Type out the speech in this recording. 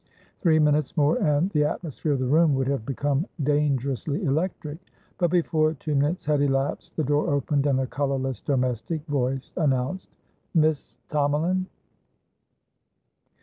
Three minutes more, and the atmosphere of the room would have become dangerously electric. But before two minutes had elapsed, the door opened, and a colourless domestic voice announced: "Miss Tomalin."